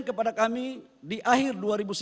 kepada kami di akhir